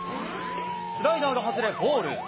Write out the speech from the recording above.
スライダーが外れ、ボール。